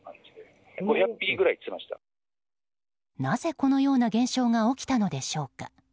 なぜ、このような現象が起きたのでしょうか。